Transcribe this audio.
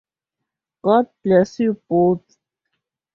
God bless you both.